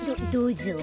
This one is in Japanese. どどうぞ。